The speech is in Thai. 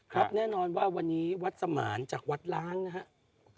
แน่นอนว่าวันนี้วัดสมานจากวัดล้างนะครับ